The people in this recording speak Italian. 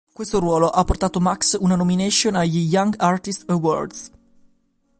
Questo ruolo ha portato Max una nomination agli Young Artist Awards.